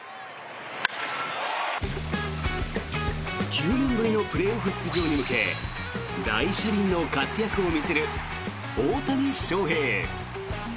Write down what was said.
９年ぶりのプレーオフ出場に向け大車輪の活躍を見せる大谷翔平。